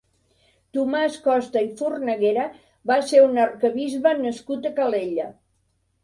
Tomàs Costa i Fornaguera va ser un arquebisbe nascut a Calella.